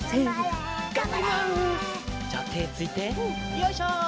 よいしょ！